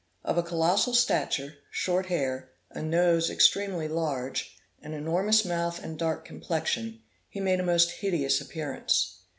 Of a colossal stature, short hair, a nose extremely large, an enormous mouth and dark complexion, he made a most hideous appearance.